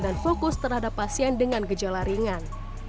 dan fokus terhadap pasien dengan gejala ringan